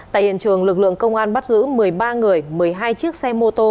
tại hiện trường lực lượng công an bắt giữ một mươi ba người một mươi hai chiếc xe mô tô